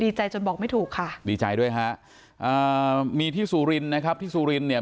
ใจจนบอกไม่ถูกค่ะดีใจด้วยฮะอ่ามีที่สุรินนะครับที่สุรินเนี่ย